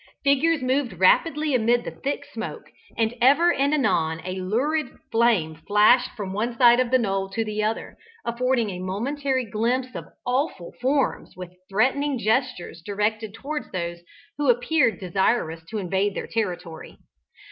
Figures moved rapidly amid the thick smoke, and ever and anon a lurid flame flashed from one side of the knoll to the other, affording a momentary glimpse of awful forms with threatening gestures directed towards those who appeared desirous to invade their territory.